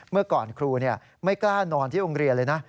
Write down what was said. เมื่อก่อนครูไม่กล้านอนที่โรงเรียนเลยนะ